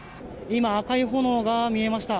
今、赤い炎が見えました。